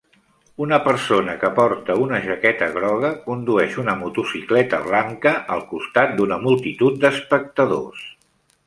Una persona que porta una jaqueta groga condueix una motocicleta blanca al costat d'una multitud d'espectadors